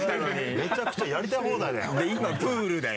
めちゃくちゃやりたい放題だよ。